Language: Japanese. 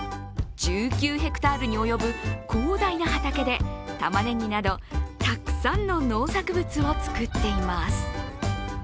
１９ｈａに及ぶ広大な畑で、たまねぎなど、たくさんの農作物を作っています。